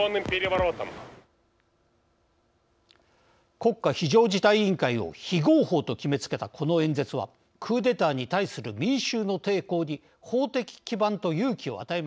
国家非常事態委員会を非合法と決めつけたこの演説はクーデターに対する民衆の抵抗に法的基盤と勇気を与えました。